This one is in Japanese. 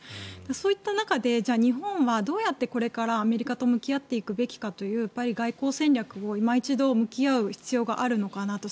そういった中で日本はどうやってこれからアメリカと向き合っていくべきかという外交戦略をいま一度向き合う必要があるのかなと。